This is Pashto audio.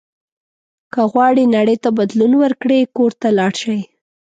که غواړئ نړۍ ته بدلون ورکړئ کور ته لاړ شئ.